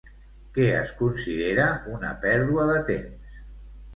Què es considera una pèrdua de temps?